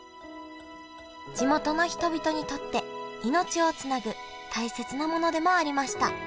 地元の人々にとって命をつなぐ大切なものでもありました